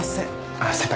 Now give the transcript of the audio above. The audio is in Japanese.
あっ先輩